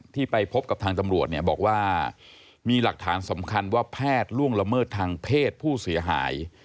ไปพบกับทางตำรวจเนี่ยบอกว่ามีหลักฐานสำคัญว่าแพทย์ล่วงละเมิดทางเพศผู้เสียหาย